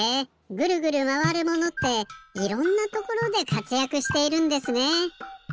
ぐるぐるまわるものっていろんなところでかつやくしているんですね。